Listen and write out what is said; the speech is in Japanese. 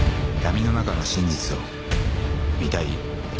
闇の中の真実を見たい？